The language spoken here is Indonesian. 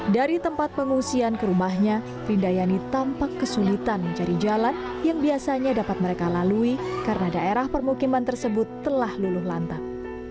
dari tempat pengungsian ke rumahnya frindayani tampak kesulitan mencari jalan yang biasanya dapat mereka lalui karena daerah permukiman tersebut telah luluh lantang